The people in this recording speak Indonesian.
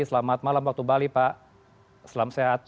selamat malam waktu bali pak selamat sehat